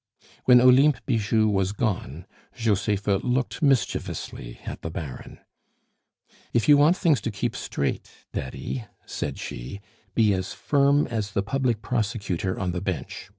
When Olympe Bijou was gone, Josepha looked mischievously at the Baron. "If you want things to keep straight, Daddy," said she, "be as firm as the Public Prosecutor on the bench.